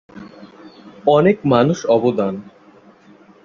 অনেক মানুষ অবদান।